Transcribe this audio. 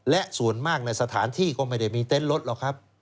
และส่วนมากในสถานที่ก็ไม่ได้มีเต็นต์รถหรอกครับ